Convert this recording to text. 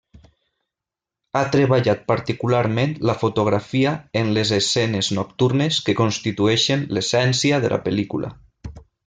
Ha treballat particularment la fotografia en les escenes nocturnes que constitueixen l'essència de la pel·lícula.